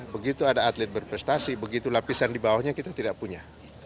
begitu ada atlet berprestasi begitu lapisan di bawahnya kita tidak punya